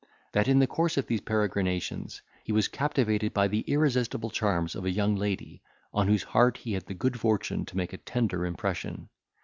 That, in the course of these peregrinations, he was captivated by the irresistible charms of a young lady, on whose heart he had the good fortune to make a tender impression.